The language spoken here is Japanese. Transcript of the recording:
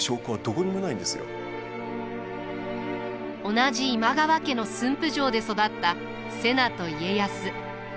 同じ今川家の駿府城で育った瀬名と家康。